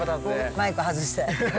マイク外して。